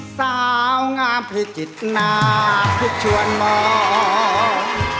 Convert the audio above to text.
สาวงามพิจิตรนาที่ชวนมอง